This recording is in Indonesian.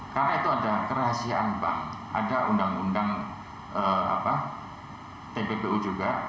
karena itu ada kerahasiaan bank ada undang undang tppu juga